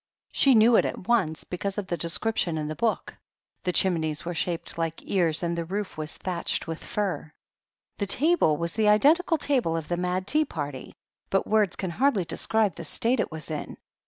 She knew it at once, because of the description in the book: "The chimneys were shaped like ears and the roof was thatched with fiir." The table was the identical table of the "Mad Tea Party," but words can hardly describe the state it was in.